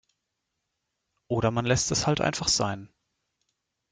Oder man lässt es halt einfach sein.